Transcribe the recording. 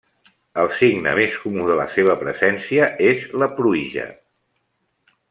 El signe més comú de la seva presència és la pruïja.